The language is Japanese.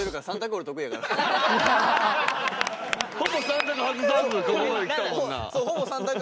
ほぼ３択外さずここまで来たもんな。